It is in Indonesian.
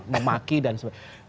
memaki dan sebagainya